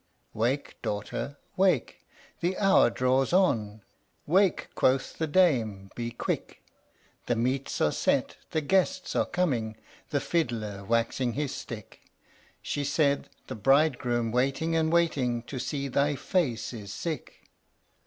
"Wake, daughter, wake! the hour draws on; Wake!" quoth the dame, "be quick! The meats are set, the guests are coming, The fiddler waxing his stick." She said, "The bridegroom waiting and waiting To see thy face is sick."